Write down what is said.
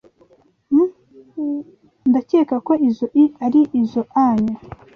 Ndakeka ko izoi ari izoanyu.